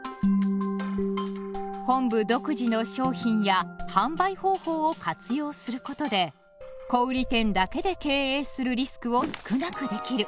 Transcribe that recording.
本部独自の商品や販売方法を活用することで小売店だけで経営するリスクを少なくできる。